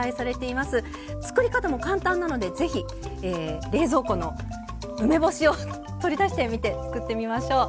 作り方も簡単なので是非冷蔵庫の梅干しを取り出してみて作ってみましょう。